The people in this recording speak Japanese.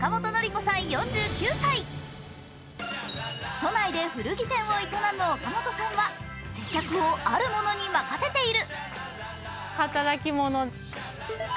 都内で古着店を営む岡本さんは接客をあるものに任せている。